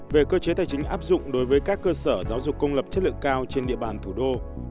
về cơ chế tài chính áp dụng đối với các cơ sở giáo dục công lập chất lượng cao trên địa bàn thủ đô